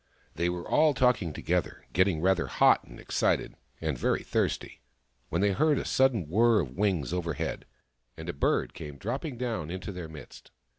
They were all talking together, getting rather hot and excited, and very thirsty, when they heard a sudden whirr of wings overhead, and a bird came dropping down into their midst.